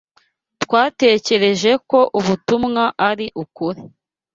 Twatekereje ko ubutumwa ari ukuri.